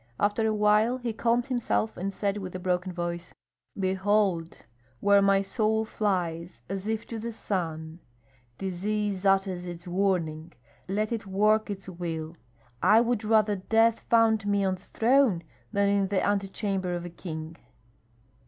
After a while he calmed himself and said with a broken voice, "Behold where my soul flies as if to the sun Disease utters its warning let it work its will I would rather death found me on the throne than in the antechamber of a king."